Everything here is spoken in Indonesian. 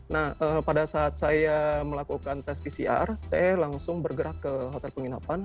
nah pada saat saya melakukan tes pcr saya langsung bergerak ke hotel penginapan